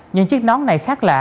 nhưng chiếc nón này khác lạ